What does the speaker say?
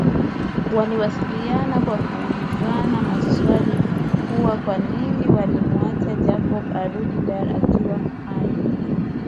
Waliwasiliana kwa kuulizana maswali kuwa kwanini walimuacha Jacob amerudi Dar akiwa hai